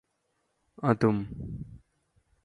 അതും